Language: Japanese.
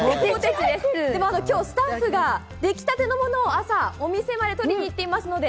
今日スタッフが出来立てのものを朝、お店まで取りに行っていますので。